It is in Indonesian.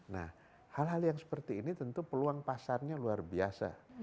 nah hal hal yang seperti ini tentu peluang pasarnya luar biasa